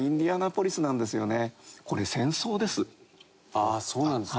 ああそうなんですか。